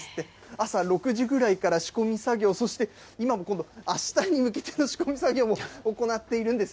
朝６時ぐらいから仕込み作業、そして今も今度、あしたに向けての仕込み作業も行っているんです。